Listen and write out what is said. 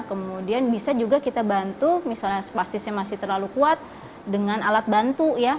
kemudian bisa juga kita bantu misalnya spacetisnya masih terlalu kuat dengan alat bantu ya